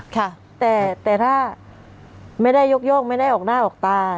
ค่ะแต่ถ้าไม่ได้ยกย่องไม่ได้ออกหน้าออกตา